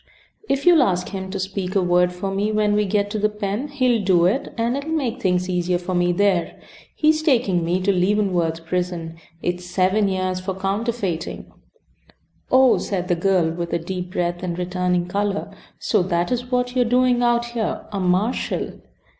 If you'll ask him to speak a word for me when we get to the pen he'll do it, and it'll make things easier for me there. He's taking me to Leavenworth prison. It's seven years for counterfeiting." "Oh!" said the girl, with a deep breath and returning color. "So that is what you are doing out here? A marshal!"